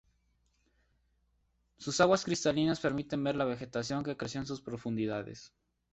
Sus aguas cristalinas permiten ver la vegetación que creció en sus profundidades.